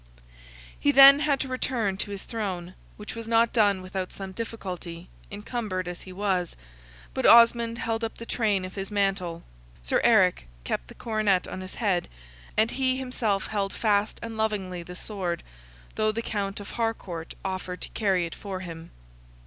He then had to return to his throne, which was not done without some difficulty, encumbered as he was, but Osmond held up the train of his mantle, Sir Eric kept the coronet on his head, and he himself held fast and lovingly the sword, though the Count of Harcourt offered to carry it for him.